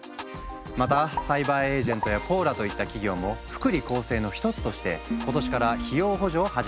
またサイバーエージェントやポーラといった企業も福利厚生の一つとして今年から費用補助を始めたんです。